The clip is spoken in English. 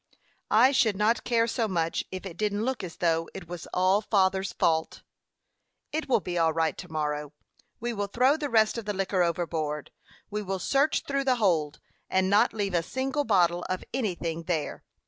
"I should not care so much if it didn't look as though it was all father's fault." "It will be all right to morrow. We will throw the rest of the liquor overboard. We will search through the hold, and not leave a single bottle of anything there.